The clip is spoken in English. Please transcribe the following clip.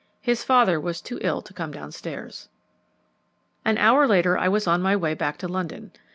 His father was too ill to come downstairs. An hour later I was on my way back to London.